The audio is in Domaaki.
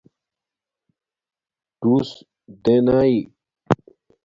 ڈݸس دینئئ